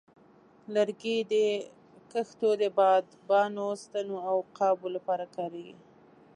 لرګي د کښتو د بادبانو، ستنو، او قابو لپاره کارېږي.